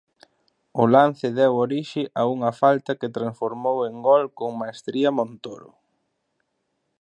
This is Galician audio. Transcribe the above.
O lance deu orixe a unha falta que transformou en gol con mestría Montoro.